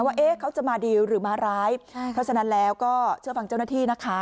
ว่าเขาจะมาดีหรือมาร้ายเพราะฉะนั้นแล้วก็เชื่อฟังเจ้าหน้าที่นะคะ